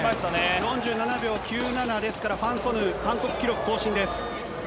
４７秒９７ですからファン・ソヌ、韓国記録更新です。